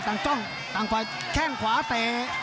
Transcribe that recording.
ภูตวรรณสิทธิ์บุญมีน้ำเงิน